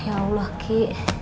ya allah ki